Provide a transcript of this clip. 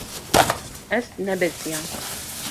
Ez nebeziyam.